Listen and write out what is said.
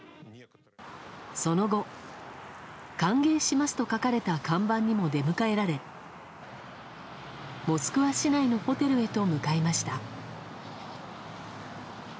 その後、歓迎しますと書かれた看板にも出迎えられモスクワ市内のホテルへと向かいました。